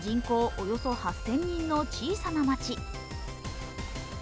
およそ８０００人の小さな町。